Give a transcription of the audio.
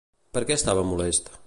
Per què estava molest?